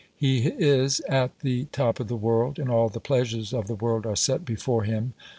He is at the top of the world, and all the pleasures of the world are set before him.